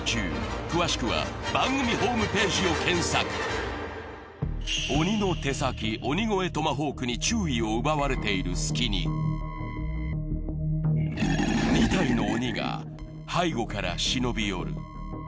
東芝鬼の手先、鬼越トマホークに注意を奪われている隙に、２体の鬼が背後から忍び寄る。